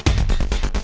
gak ada apa apa